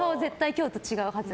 今日と絶対違うはず。